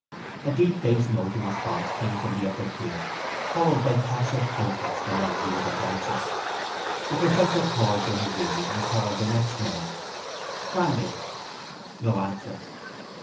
A deep bass note in response came from the upper tier, followed by coughs of protest along the other benches. The professor paused in his reading and called the next name: —Cranly! No answer.